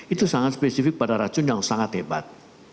itu sangat spesifik pada racun yang sangat hebat